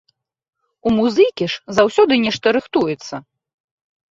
У музыкі ж заўсёды нешта рыхтуецца.